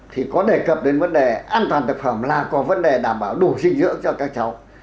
thì có đề cập đến vấn đề an toàn thực phẩm là có vấn đề đảm bảo đủ dinh dưỡng cho các cháu